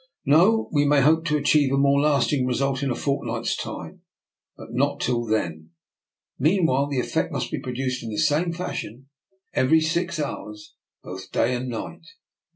No! we may hope to achieve a more lasting result in a fortnight's time, but not till then. Mean while, the effect must be produced in the same fashion every six hours, both day and night.